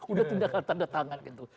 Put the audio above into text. udah tindakan tanda tangan gitu